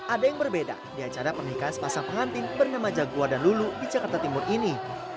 ada yang berbeda di acara pernikahan sepasang pengantin bernama jaguar dan lulu di jakarta timur ini